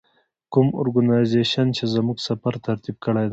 کوم ارګنایزیشن چې زموږ سفر ترتیب کړی دی.